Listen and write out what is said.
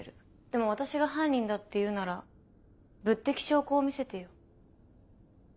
でも私が犯人だって言うなら物的証拠を見せてよ。